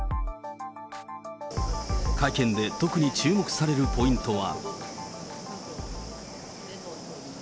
会見で特に注目されるポイントは。